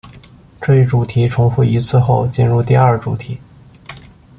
这一主题重复一次后进入第二主题。